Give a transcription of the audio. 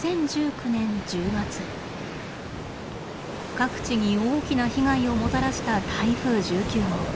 各地に大きな被害をもたらした台風１９号。